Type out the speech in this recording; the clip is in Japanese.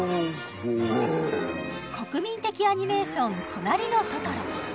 国民的アニメーション「となりのトトロ」